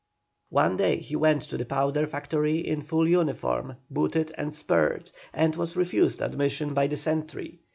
One day he went to the powder factory in full uniform, booted and spurred, and was refused admission by the sentry.